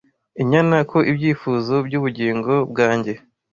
inyana ko ibyifuzo byubugingo bwanjye